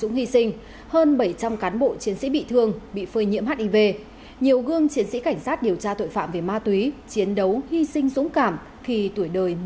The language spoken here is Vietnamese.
nghi sinh dũng cảm khi tuổi đời mới đôi mươi